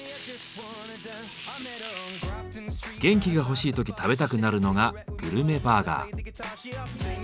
元気が欲しい時食べたくなるのがグルメバーガー。